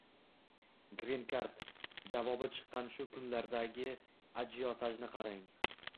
«Grin kard» javobi chiqqan shu kunlardagi ajiotajni qarang.